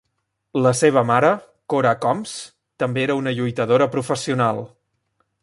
La seva mare, Cora Combs, també era una lluitadora professional.